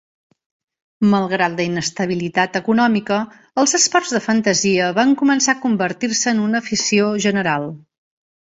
Malgrat la inestabilitat econòmica, els esports de fantasia van començar a convertir-se en una afició general.